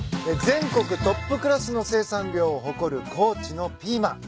全国トップクラスの生産量を誇る高知のピーマン。